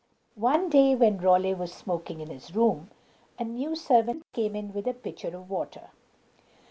One day, when Raleigh was smoking in his room, a new servant came in with a pitcher of water.